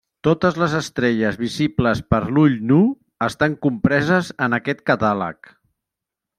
Totes les estrelles visibles per l'ull nu estan compreses en aquest catàleg.